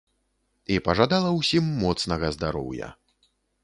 І пажадала ўсім моцнага здароўя.